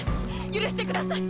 許してください！